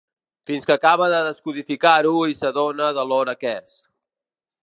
Fins que acaba de descodificar-ho i s'adona de l'hora que és.